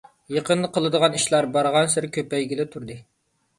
يېقىندا قىلىدىغان ئىشلار بارغانسېرى كۆپەيگىلى تۇردى.